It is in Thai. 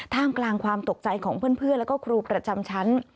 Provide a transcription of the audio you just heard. ท่ามกลางความตกใจของเพื่อนแล้วก็ครูประจำชั้น